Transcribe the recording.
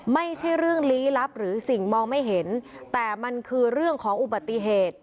ไม่ใช่เรื่องลี้ลับหรือสิ่งมองไม่เห็นแต่มันคือเรื่องของอุบัติเหตุ